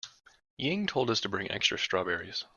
Ying told us to bring extra strawberries.